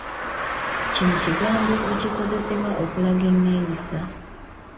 Kino kigambo ekikozesebwa okulaga enneeyisa.